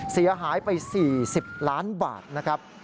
เสียหายไป๔๐ล้านบาทนะครับ